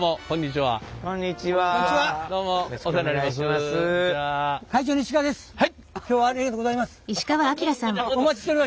はい！